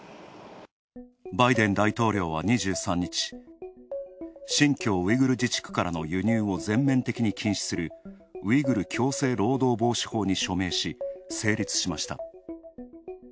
バイデン大統領は２３日、新疆ウイグル自治区からの輸入を全面的に禁止するウイグル強制労働防止法に署名し成立しました。